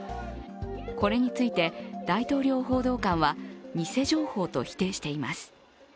これについて、大統領報道官は偽情報と否定しています。